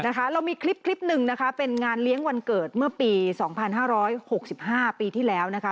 เรามีคลิปหนึ่งนะคะเป็นงานเลี้ยงวันเกิดเมื่อปี๒๕๖๕ปีที่แล้วนะคะ